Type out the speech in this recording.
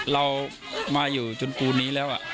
เรามาอยู่จุนกูนี้แล้วอ่ะ